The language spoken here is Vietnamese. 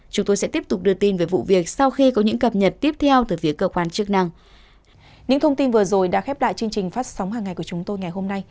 chúng tôi sẽ tiếp tục đưa tin về vụ việc sau khi có những cập nhật tiếp theo từ phía cơ quan chức năng